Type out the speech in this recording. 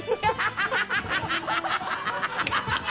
ハハハ